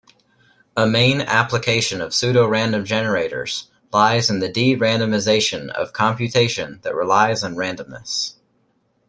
A main application of pseudorandom generators lies in the de-randomization of computation that relies on randomness.